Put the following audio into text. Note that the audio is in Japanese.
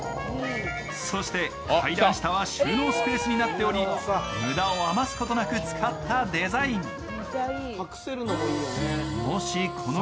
そして、階段下は収納スペースとなっており無駄を余すことなく使ったデザイン。